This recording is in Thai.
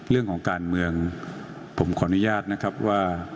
เรื่องของการเมืองผมขออนุญาตนะครับว่า